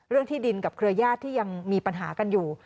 ที่ดินกับเครือญาติที่ยังมีปัญหากันอยู่